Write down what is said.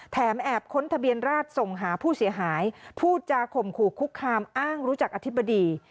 แอบค้นทะเบียนราชส่งหาผู้เสียหายพูดจาข่มขู่คุกคามอ้างรู้จักอธิบดี